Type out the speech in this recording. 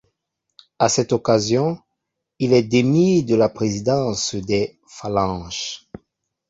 À cette occasion, il est démis de la présidence des Phalanges.